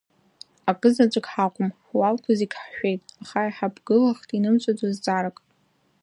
Акызаҵәык ҳақәым, ҳуалқәа зегь ҳшәеит, аха иҳаԥгылахт инымҵәаӡо зҵаарак…